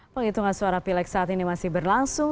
penghitungan suara pilek saat ini masih berlangsung